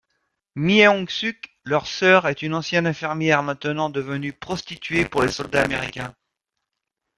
Myeongsuk, leur soeur, est une ancienne infirmière maintenant devenue prostituée pour les soldats américains.